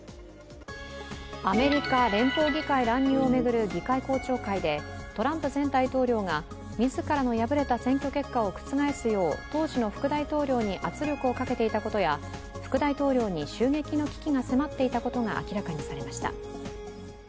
アメリカ連邦議会乱入を巡る議会公聴会でトランプ前大統領が自らの敗れた選挙結果を覆すよう当時の副大統領に圧力をかけていたことや副大統領に襲撃の危機が迫っていたことが明らかにされました。